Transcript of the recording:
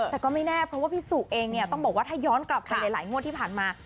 แต่ก็ไม่แน่เพราะว่าพี่สุเองเนี่ยต้องบอกว่าถ้าย้อนกลับไปหลายงวดที่ผ่านมา